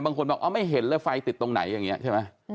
บางคนบอกไม่เห็นเลยไฟติดตรงไหนอย่างนี้ใช่ไหม